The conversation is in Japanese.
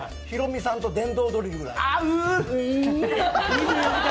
ひろみさんと電動ドリルぐらい。